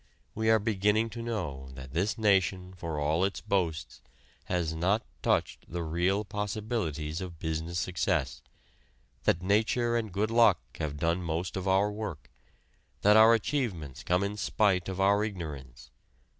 We are beginning to know that this nation for all its boasts has not touched the real possibilities of business success, that nature and good luck have done most of our work, that our achievements come in spite of our ignorance.